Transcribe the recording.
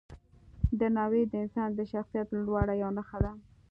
درناوی د انسان د شخصیت لوړوالي یوه نښه ده.